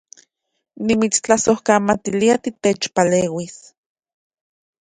Nimitstlasojkamatilia titechpaleuis